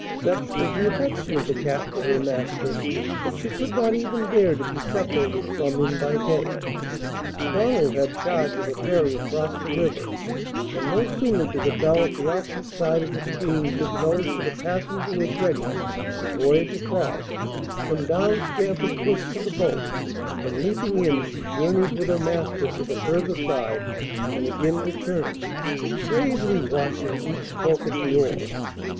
Such was the affection of the cat for her master, that she could not even bear to be separated from him by day. Donald had charge of a ferry across the river, and no sooner did a bell at the opposite side of the stream give notice that a passenger was ready to voyage across, than down scampered puss to the boat, and, leaping in, she journeyed with her master to the further side, and again returned, gravely watching each stroke of the oar.